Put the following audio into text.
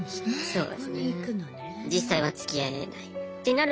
そう。